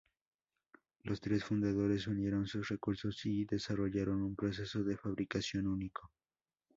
Los tres fundadores unieron sus recursos y desarrollaron un proceso de fabricación único.